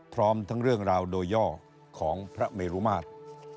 พร้อมทั้งเรื่องราวโดยย่อของพระเมรุมาตร